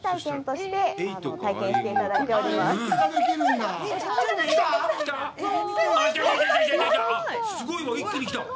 すごいよ、一気に来た。